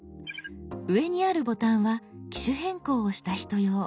上にあるボタンは機種変更をした人用。